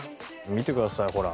見てくださいほら。